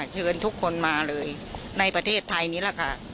เชิญทุกคนมาเลยในประเทศไทยนี่แหละค่ะ